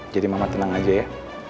jadi mama tenang aja ya